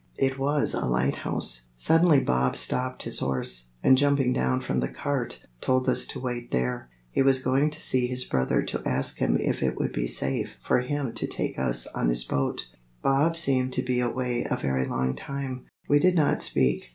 It was a lighthouse. Suddenly Bob stopped his horse, and jumping down from the cart, told us to wait there. He was going to see his brother to ask him if it would be safe for him to take us on his boat. Bob seemed to be away a very long time. We did not speak.